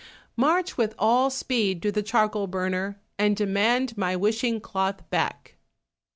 "March with all speed to the charcoal burner, and demand my wishing cloth back."